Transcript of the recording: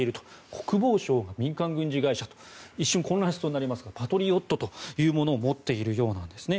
国防相が民間軍事会社と一瞬、混乱しそうになりますがパトリオットというものを持っているようなんですね。